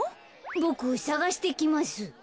ボクさがしてきます。